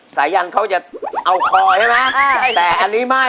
สายันเขาจะเอาคอใช่ไหมใช่แต่อันนี้ไม่